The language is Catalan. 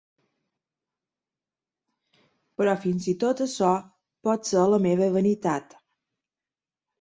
Però fins i tot això pot ser la meva vanitat.